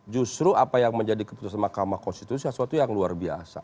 justru apa yang menjadi keputusan mahkamah konstitusi sesuatu yang luar biasa